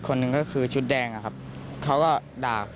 โปรดติดตามต่อไป